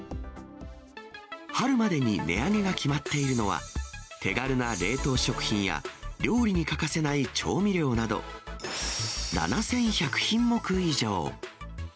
春までに値上げが決まっているのは、手軽な冷凍食品や、料理に欠かせない調味料など、７１００品目以上。